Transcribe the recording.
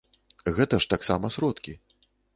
Гэта ж таксама сродкі!